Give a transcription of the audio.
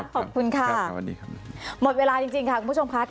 ขอบคุณค่ะหมดเวลาจริงค่ะคุณผู้ชมครับ